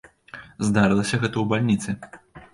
Здарылася гэта ў бальніцы.